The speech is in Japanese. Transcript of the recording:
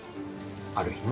ある日な。